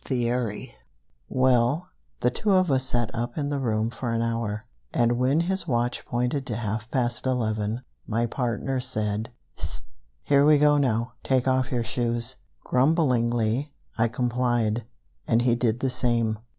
CHAPTER IX Well, the two of us sat up in our room for an hour, and when his watch pointed to half past eleven, my partner said: "Hist! Here we go now. Take off your shoes." Grumblingly I complied, and he did the same.